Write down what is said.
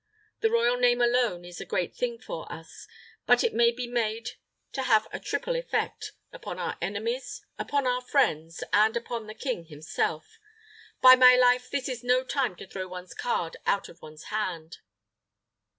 The royal name alone is a great thing for us; but it may be made to have a triple effect upon our enemies, upon our friends, and upon the king himself. By my life, this is no time to throw one card out of one's hand."